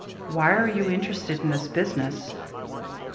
"Why are you interested in this business?"